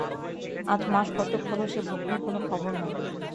আজ মাস কতক হল সে ভগ্নীর কোন খবর নাই।